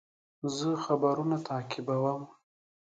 زه خبرونه تعقیبوم.